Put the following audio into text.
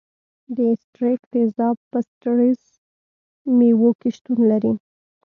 د ستریک تیزاب په سیتروس میوو کې شتون لري.